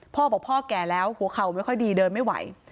พ่อบอกพ่อแก่แล้วหัวเข่าไม่ค่อยดีเดินไม่ไหว